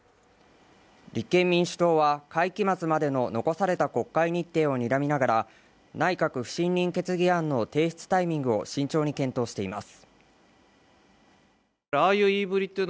立憲民主党は会期末までの残された国会日程を睨みながら、内閣不信任決議案の提出タイミングを慎重に検討しています。